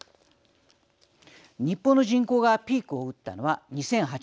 日本の人口がピークを打ったのは２００８年。